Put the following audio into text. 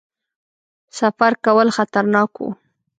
سفر کول خطرناک وو.